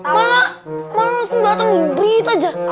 malah malah langsung datang hybrid aja